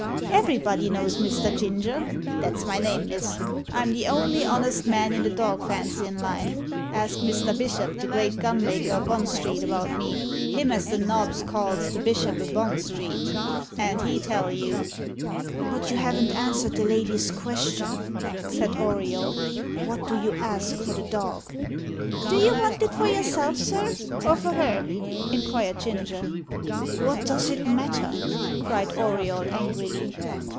Everybody knows Mr. Ginger that's my name, miss. I'm the only honest man in the dog fancyin' line. Ask Mr. Bishop, the great gunmaker o' Bond Street, about me him as the nobs calls the Bishop o' Bond Street an' he'll tell you." "But you haven't answered the lady's question," said Auriol. "What do you ask for the dog?" "Do you want it for yourself, sir, or for her?" inquired Ginger. "What does it matter?" cried Auriol angrily.